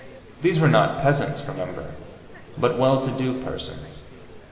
These were not peasants, remember, but well to do persons.